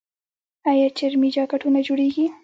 آیا چرمي جاکټونه جوړیږي؟